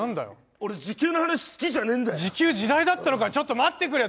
俺時給の話好きじゃねえんだよ時給地雷だったのかちょっと待ってくれよ